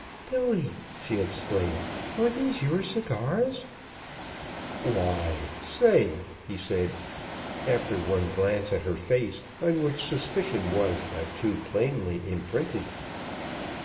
"Billy!" she exclaimed, "Are these your cigars?" "Why, say!" he said, after one glance at her face on which suspicion was but too plainly imprinted.